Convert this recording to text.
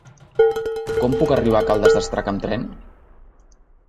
Com puc arribar a Caldes d'Estrac amb tren?